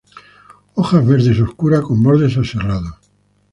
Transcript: Hojas verde oscuras con bordes aserrados.